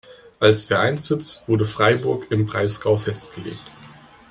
Als Vereinssitz wurde Freiburg im Breisgau festgelegt.